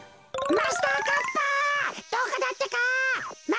マスターカッパー！